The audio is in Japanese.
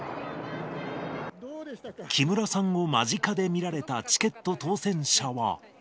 木村さんを間近で見られたチケット当せん者は。